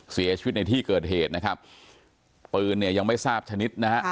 เสียชีวิตในที่เกิดเหตุนะครับปืนเนี่ยยังไม่ทราบชนิดนะฮะ